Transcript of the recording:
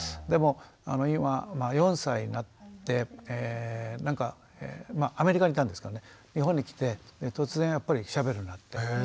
でも今まあ４歳になってなんかアメリカにいたんですけどね日本に来て突然やっぱりしゃべるようになって。